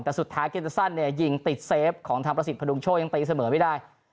แต่สุดท้ายเกมสั้นเนี่ยยิงติดเซฟของทางประสิทธิพดุงโชคยังตีเสมอไม่ได้